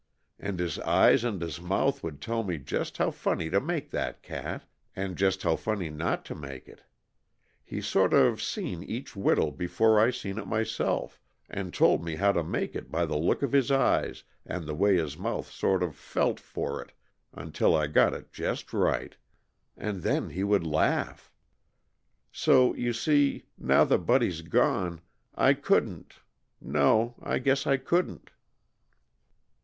And his eyes and his mouth would tell me just how funny to make that cat, and just how funny not to make it. He sort of seen each whittle before I seen it myself, and told me how to make it by the look of his eyes and the way his mouth sort of felt for it until I got it just right. And then he would laugh. So you see, now that Buddy's gone, I couldn't no, I guess I couldn't!"